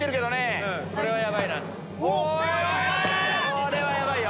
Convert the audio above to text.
これはヤバいよ。